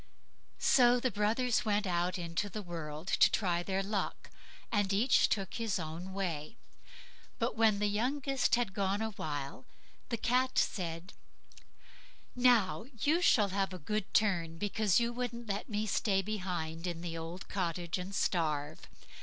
So the brothers went out into the world to try their luck, and each took his own way; but when the youngest had gorse a while, the cat said: "Now you shall have a good turn, because you wouldn't let me stay behind in the old cottage and starve.